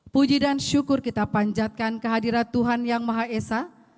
puji dan syukur kita panjatkan kehadiran tuhan yang maha esa